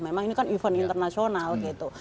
memang ini kan event internasional gitu